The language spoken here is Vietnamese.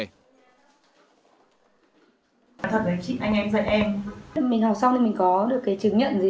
thật đấy chị anh em dạy em